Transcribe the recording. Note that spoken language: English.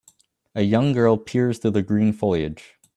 A young girl peers through the green foliage